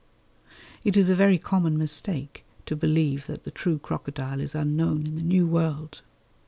It is a very common mistake to believe that the true crocodile is unknown in the New World.